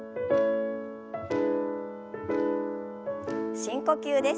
深呼吸です。